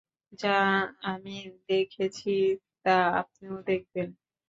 যা আমি দেখেছি তা আপনিও দেখবেন।